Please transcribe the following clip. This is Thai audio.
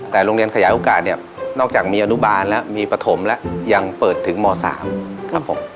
แต่โรงเรียนขยายโอกาสเนี่ยนอกจากมีอนุบาลแล้วมีปฐมแล้วยังเปิดถึงม๓ครับผม